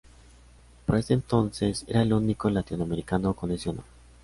Para ese entonces era el único latinoamericano con ese honor.